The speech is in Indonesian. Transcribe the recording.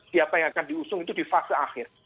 siapa yang akan diusung itu di fase akhir